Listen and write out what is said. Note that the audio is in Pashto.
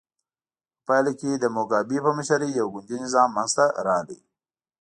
په پایله کې د موګابي په مشرۍ یو ګوندي نظام منځته راغی.